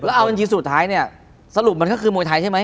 แล้วเอาจริงสุดท้ายเนี่ยสรุปมันก็คือมวยไทยใช่ไหม